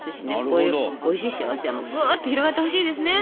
こういうおいしい幸せはぐっと広がってほしいですね。